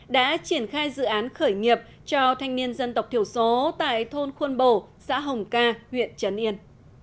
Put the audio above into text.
đã triển khai dự án khởi nghiệp cho thanh niên dân tộc thiểu số tại thôn khuôn bồ xã hồng ca huyện trấn yên